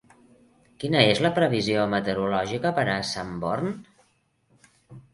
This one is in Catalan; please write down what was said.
Quina és la previsió meteorològica per a Sanborn